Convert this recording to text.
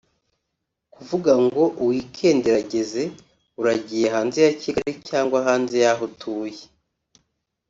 kuvuga ngo wikendi irageze uragiye hanze ya Kigali cyangwa hanze y’aho utuye